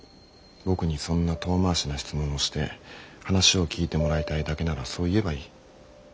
僕にそんな遠回しな質問をして話を聞いてもらいたいだけならそう言えばいい。